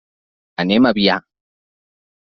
Anem a Biar.